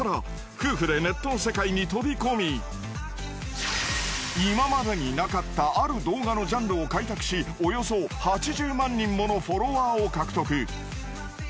夫婦でネットの世界に飛び込み今までになかったある動画のジャンルを開拓しおよそ８０万人ものフォロワーを獲得。